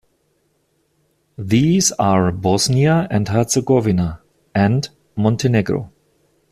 These are Bosnia and Herzegovina, and Montenegro.